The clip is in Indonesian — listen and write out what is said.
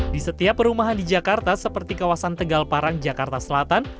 di setiap perumahan di jakarta seperti kawasan tegal parang jakarta selatan